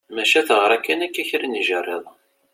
Maca teɣra kan akka kra n yijerriden.